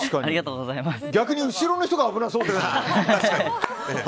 逆に後ろの人が危なそう。